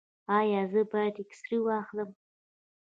ایا زه باید اکسرې واخلم؟